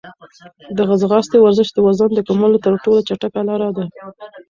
د ځغاستې ورزش د وزن د کمولو تر ټولو چټکه لاره ده.